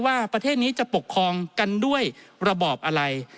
ว่าประเทศนี้จะปกครองกันด้วยระบอบอะไร